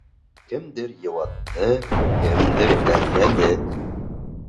Кемдер йыуатты, кемдер әрләне...